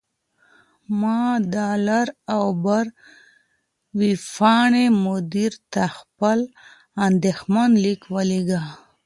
ما د «لر او بر» ویبپاڼې مدیر ته خپل اندیښمن لیک ولیږه.